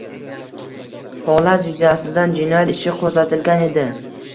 Holat yuzasidan jinoyat ishi qoʻzgʻatilgan edi.